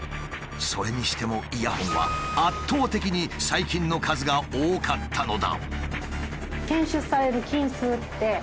それにしてもイヤホンは圧倒的に細菌の数が多かったのだ。